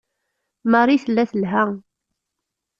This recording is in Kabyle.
Marie tella telha.